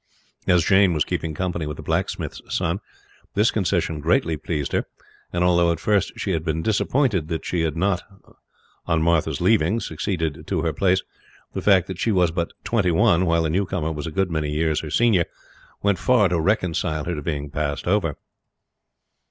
As Jane was keeping company with the blacksmith's son, this concession greatly pleased her; and although at first she had been disappointed that she had not on Martha's leaving succeeded to her place, the fact that she was but twenty one, while the newcomer was a good many years her senior, went far to reconcile her to being passed over.